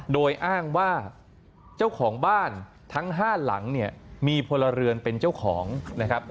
โดยอ้างว่าเจ้าของบ้านทั้ง๕หลังเนี่ยมีพลเรือนเป็นเจ้าของนะครับ